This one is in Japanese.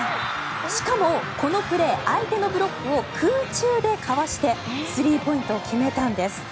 しかもこのプレー相手のブロックを空中でかわしてスリーポイントを決めたんです。